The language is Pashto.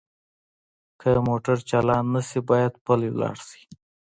که موټر چالان نه شي باید پلی لاړ شئ